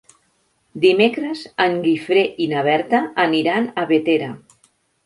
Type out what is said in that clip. Dimecres en Guifré i na Berta aniran a Bétera.